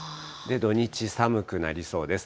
土日、寒くなりそうです。